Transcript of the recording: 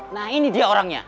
nah ini dia orangnya